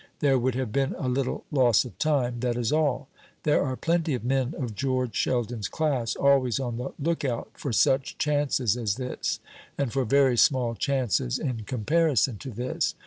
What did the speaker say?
There would have been a little loss of time, that is all. There are plenty of men of George Sheldon's class always on the look out for such chances as this and for very small chances in comparison to this.